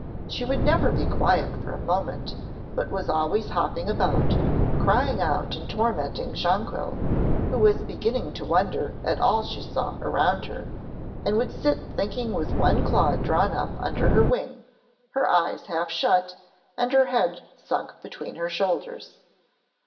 She would never be quiet for a moment, but was always hopping about, crying out and tormenting Jonquil, who was beginning to wonder at all she saw around her, and would sit thinking with one claw drawn up under her wing, her eyes half shut, and her head sunk between her shoulders.